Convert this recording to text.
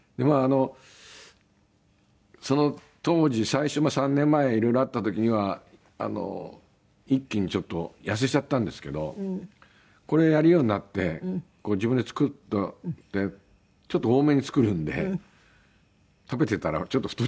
その当時最初３年前いろいろあった時には一気にちょっと痩せちゃったんですけどこれやるようになって自分で作るのってちょっと多めに作るんで食べてたらちょっと太っちゃって。